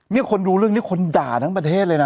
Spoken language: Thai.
นี่คนดูเรื่องนี้คนด่าทั้งประเทศเลยนะ